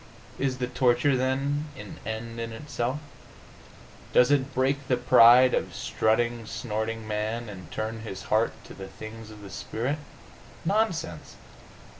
Is the torture, then, an end in itself? Does it break the pride of strutting, snorting man, and turn his heart to the things of the spirit? Nonsense!